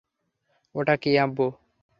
ওটা কী, আব্বু?